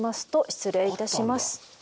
失礼いたします。